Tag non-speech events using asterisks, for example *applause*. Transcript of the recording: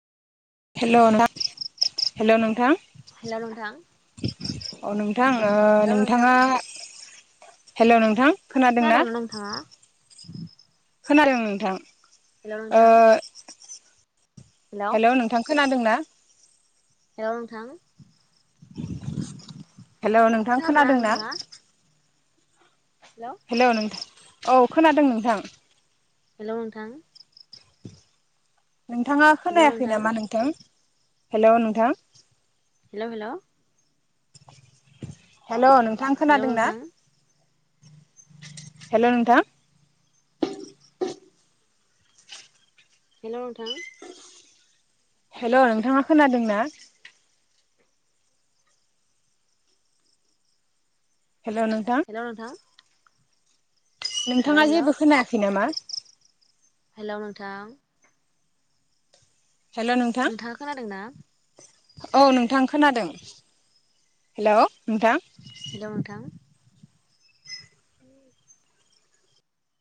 Hello *unintelligible* हेल' नोंथां। Hello नोंथां औ नोंथां, ओ हेलौ नोंथां नोंथाङा हेल' नोंथां खोनादोंना खोनादों ना नोंथाङा? खोनादों नोंथां। हेल' ओ नोंथां। हेल' नोंथां खोनादों ना? हेल' नोंथां। हेल' नोंथां खोनादोंना खोनादों ना? नोंथाङा हेलौ हेल' नों औ खोनादों नोंथां। हेल' नोंथां। नोंथाङा खोनायाखै नामा नोंथां? हेल' नोंथां। हेल' हेल' हेल' नोंथां हेलौ खोनादों ना? नोंथां हेल' नोंथां हेल' नोंथां हेल' नोंथाङा खोनादों ना? हेल' नोंथा? हेलौ नोंथां हेलौ नोंथाङा जेबो खोनायाखै नामा? हेल' नोंथां। हेल' नोंथां नोंथाङा खोनादों ना? औ नोंथां खोनादों। हेल' नोंथां हेल' नोंथां।